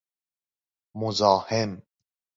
مزاحم